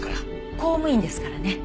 公務員ですからね。